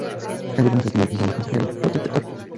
Es de buenos sentimientos, buena consejera y protectora.